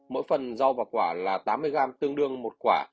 mỗi phần rau và quả là tám mươi gram tương đương một quả